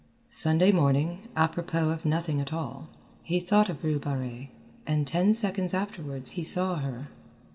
Sunday morning, apropos of nothing at all, he thought of Rue Barrée, and ten seconds afterwards he saw her.